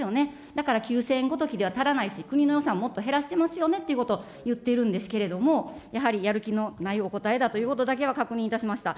だから、９０００円ごときでは足らないし、国の予算もっと減らせますよねということを言っているんですけれども、やはり、やる気のないお答えだということだけは確認いたしました。